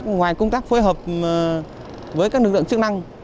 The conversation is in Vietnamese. ngoài công tác phối hợp với các lực lượng chức năng